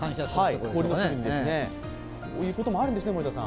こういうこともあるんですね、森田さん。